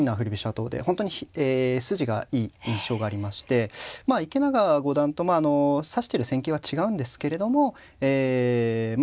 党で本当に筋がいい印象がありましてまあ池永五段とまああの指してる戦型は違うんですけれどもえまあ